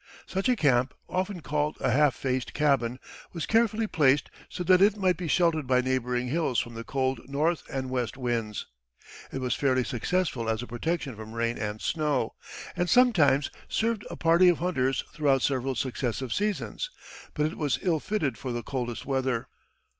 Such a camp, often called a "half faced cabin," was carefully placed so that it might be sheltered by neighboring hills from the cold north and west winds. It was fairly successful as a protection from rain and snow, and sometimes served a party of hunters throughout several successive seasons; but it was ill fitted for the coldest weather.